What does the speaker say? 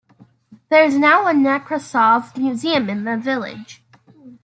There is now a Nekrasov museum in the village.